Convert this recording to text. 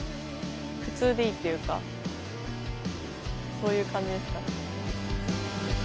そういう感じですかね。